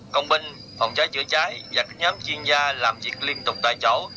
công binh phòng trái chữa trái và các nhóm chuyên gia làm việc liên tục tại chỗ